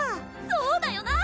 そうだよな！